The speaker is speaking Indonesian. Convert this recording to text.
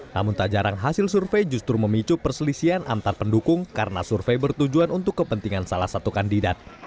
namun tak jarang hasil survei justru memicu perselisihan antar pendukung karena survei bertujuan untuk kepentingan salah satu kandidat